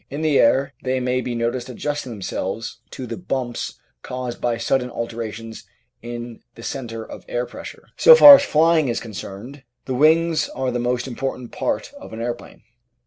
In the air they may be noticed adjusting themselves tc the "bumps" caused by sudden altera tions in the centre of air pressure. So far as flying is concerned, the wings are the most im portant part of an aeroplane.